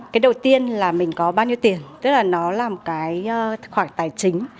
cái đầu tiên là mình có bao nhiêu tiền tức là nó là khoản tài chính